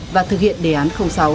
và thực hiện đề án sáu